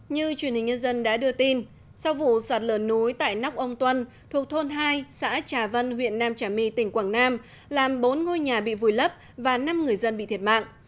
như truyền hình nhân dân đã đưa tin sau vụ sạt lở núi tại nóc ông tuân thuộc thôn hai xã trà vân huyện nam trà my tỉnh quảng nam làm bốn ngôi nhà bị vùi lấp và năm người dân bị thiệt mạng